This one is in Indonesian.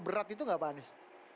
berat itu enggak pak andis